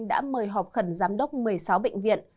đã mời họp khẩn giám đốc một mươi sáu bệnh viện